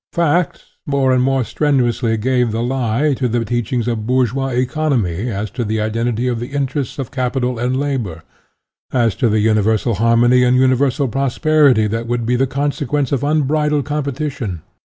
Facts more and more strenu ously gave the lie to the teachings of bour 9O SOCIALISM geois economy as to the identity of the interests of capital and labor, as to the universal harmony and universal prosperity that would be the consequence of unbridled competition.